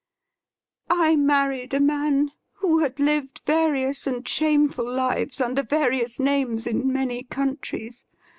' I married a man who had lived various and shameful lives under various names in many countries.